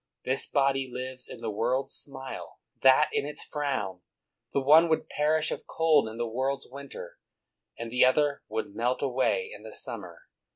This body lives in the world's smile, that in its frown; the one would perish of cold in the world's winter, and the other would melt away in the summer.